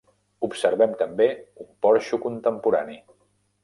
Observem també un porxo contemporani.